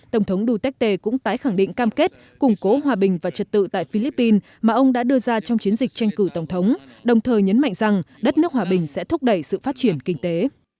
tổng thống duterte cũng tái khẳng định cam kết củng cố hòa bình và trật tự tại philippines mà ông đã đưa ra trong chiến dịch tranh cử tổng thống đồng thời nhấn mạnh rằng đất nước hòa bình sẽ thúc đẩy sự phát triển kinh tế